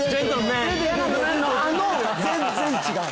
全然違う！